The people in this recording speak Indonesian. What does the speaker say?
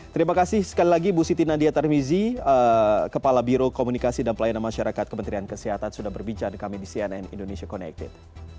terima kasih sekali lagi ibu siti nadia tarmizi kepala biro komunikasi dan pelayanan masyarakat kementerian kesehatan sudah berbicara dengan kami di cnn indonesia connected